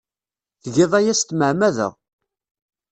Tgiḍ aya s tmeɛmada.